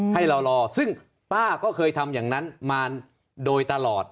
ให้เรารอซึ่งป้าก็เคยทำอย่างนั้นมาโดยตลอด